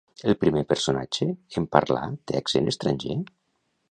El primer personatge en parlar té accent estranger?